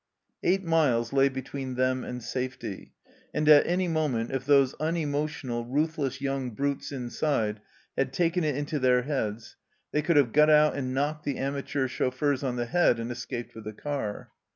Eight miles lay between them and safety, and at any moment, if those unemotional, ruthless young brutes inside had taken it into their heads, they could have got out and knocked the amateur chauffeurs on the head, and escaped with the car.